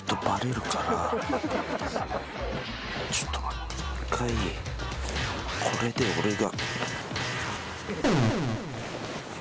ちょっと待って一回これで俺が。